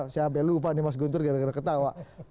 saya hampir lupa nih mas guntur gara gara ketawa